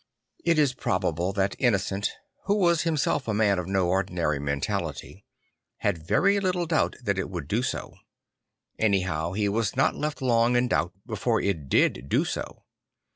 It is probable that Innocent, who was himself a man of no ordinary mentality, had very little doubt that it would do so; anyhow he was not left long in doubt before it did do so.